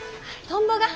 トンボが。